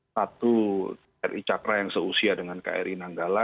satu kri cakra yang seusia dengan kri nanggala